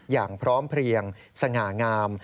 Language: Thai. อย่างพร้อมเพลียงสง่างาม